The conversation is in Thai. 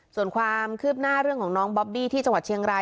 ส่วนความคืบหน้าเรื่องของน้องบอบบี้ที่จังหวัดเชียงราย